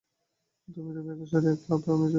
তুই রবি একেশ্বরী, একলা আমি রইব পাশে।